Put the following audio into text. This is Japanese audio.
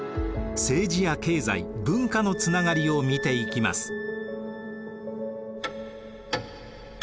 政治や経済文化のつながりを見ていきます。